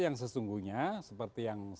yang sesungguhnya seperti yang